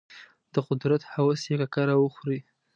د قدرت هوس یې ککره وخوري.